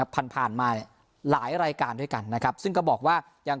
ผ่านผ่านมาเนี่ยหลายรายการด้วยกันนะครับซึ่งก็บอกว่ายัง